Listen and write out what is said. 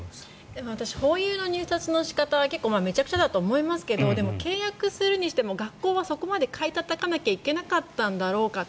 でも私ホーユーの入札の仕方は結構めちゃくちゃだと思いますが契約するにしても学校はそこまで買いたたかなくてはいけなかったんだろうかと。